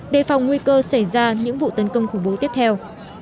đề phòng nguy cơ xảy ra những vụ tấn công khủng bố tiếp theo